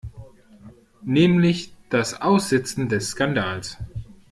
Nämlich das Aussitzen des Skandals.